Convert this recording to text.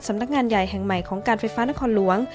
สำนักงานใหญ่แห่งใหม่ของการไฟฟ้านครหลวง